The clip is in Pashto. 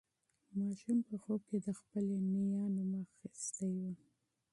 ماشوم په خوب کې د خپلې نیا نوم اخیستی و.